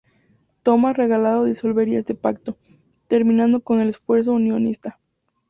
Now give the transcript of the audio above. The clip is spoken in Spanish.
Tomás Regalado disolvería este Pacto, terminando con el esfuerzo unionista.